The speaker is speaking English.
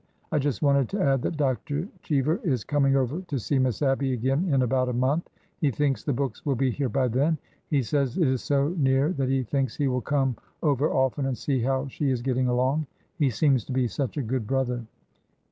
I just wanted to add that Dr. Cheever is coming over to see Miss Abby again in about a month. He thinks the books will be here by then. He says it is so near that he thinks he will come over often and see how she is getting along. He seems to be such a good brother.